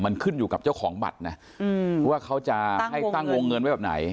มันขึ้นอยู่กับเจ้าของบัตรนะว่าเขาจะให้ตั้งวงเงินไว้แบบไหน